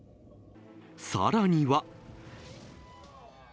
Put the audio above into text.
さらには。